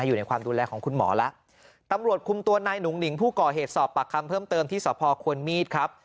อยู่ในความดูแลของคุณหมอแล้วตำรวจคุมตัวนายหนุ่งหนิงผู้ก่อเหตุสอบปากคำเพิ่มเติมที่สพควรมีดครับ